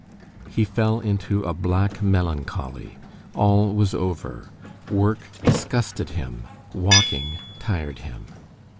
He fell into a black melancholy. All was over. Work disgusted him, walking tired him.